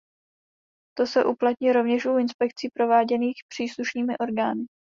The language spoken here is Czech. To se uplatní rovněž u inspekcí prováděných příslušnými orgány.